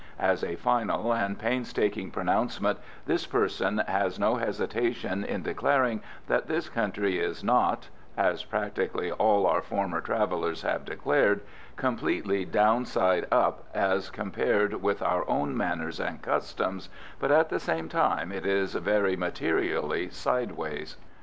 As a final and painstaking pronouncement, this person has no hesitation in declaring that this country is not as practically all our former travellers have declared completely down side up as compared with our own manners and customs, but at the same time it is very materially sideways.